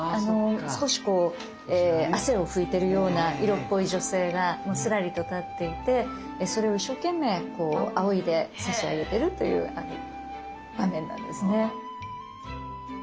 少しこう汗を拭いてるような色っぽい女性がすらりと立っていてそれを一生懸命あおいで差し上げてるという場面なんですね。